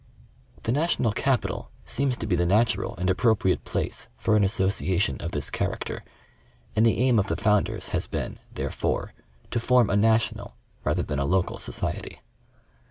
The National Capital seems to be the natural and appropriate place for an association of this character, and the aim of the founders has been, therefore, to form a National rather than a local society.